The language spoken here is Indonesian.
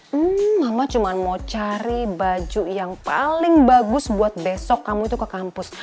hmm mama cuma mau cari baju yang paling bagus buat besok kamu itu ke kampus